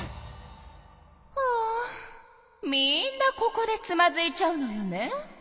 ああみんなここでつまずいちゃうのよね。